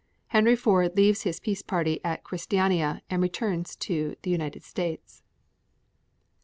Henry Ford leaves his peace party at Christiania and returns to the United States.